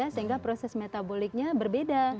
sehingga proses metaboliknya berbeda